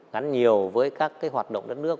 gắn nhiều với các cái hoạt động đất nước